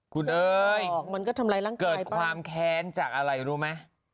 คุณเอ๋ยเกิดความแค้นจากอะไรรู้มั้ย